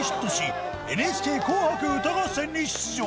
ＮＨＫ『紅白歌合戦』に出場